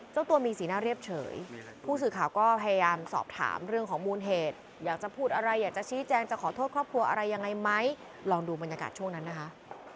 เจ้าตัวมีสีหน้าเรียบเฉยผู้สื่อข่าวก็พยายามสอบถามเรื่องของมูลเหตุอยากจะพูดอะไรอยากจะชี้แจงจะขอโทษครอบครัวอะไรยังไงไหมลองดูบรรยากาศช่วงนั้นนะคะ